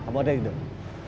kamu ada hidup